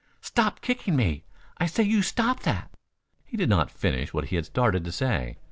"Stop kicking me! I say you stop that you " He did not finish what he had started to say.